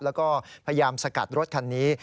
แล้วก็พยายามสกัดรถคันนี้